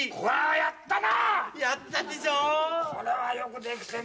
やったな！